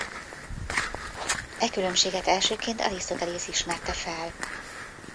E különbséget elsőként Arisztotelész ismerte fel.